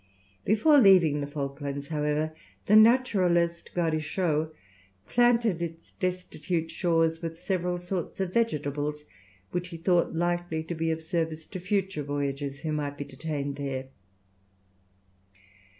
Before leaving the Falklands, however, the naturalist, Gaudichaud, planted its destitute shores with several sorts of vegetables, which he thought likely to be of service to future voyagers who might be detained there.